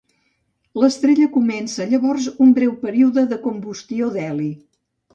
L'estrella comença llavors un breu període de combustió d'heli.